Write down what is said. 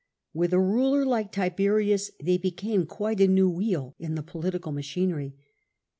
With a ruler like Tiberius they became quite a new wheel in the political machinery.